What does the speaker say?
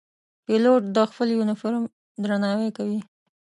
پیلوټ د خپل یونیفورم درناوی کوي.